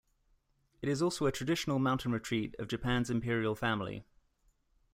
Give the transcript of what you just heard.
It is also a traditional mountain retreat of Japan's imperial family.